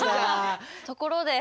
ところで。